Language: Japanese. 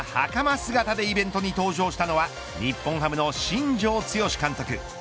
姿でイベントに登場したのは日本ハムの新庄剛志監督。